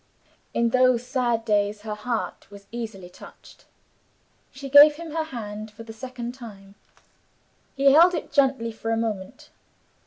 In those sad days her heart was easily touched. She gave him her hand for the second time. He held it gently for a moment.